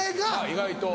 意外と。